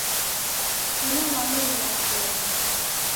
Inyo mwameria kuela